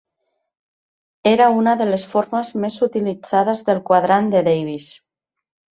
Era una de les formes més utilitzades del quadrant de Davis.